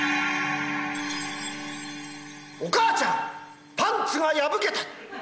お母ちゃんパンツが破けた！